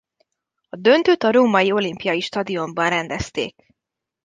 A döntőt a római Olimpiai Stadionban rendezték.